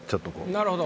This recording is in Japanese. なるほど。